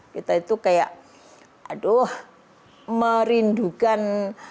kita itu kayak aduh merindukan